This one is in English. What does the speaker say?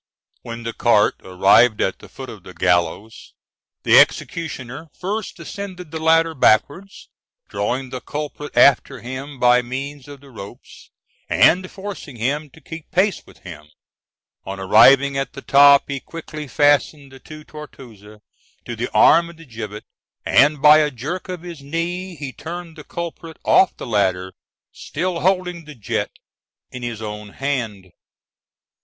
When the cart arrived at the foot of the gallows, the executioner first ascended the ladder backwards, drawing the culprit after him by means of the ropes, and forcing him to keep pace with him; on arriving at the top, he quickly fastened the two tortouses to the arm of the gibbet, and by a jerk of his knee he turned the culprit off the ladder, still holding the jet in his own hand.